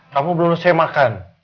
kamu belum selesai makan